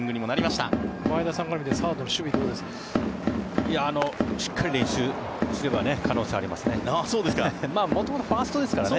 しっかり練習すれば可能性がありますね。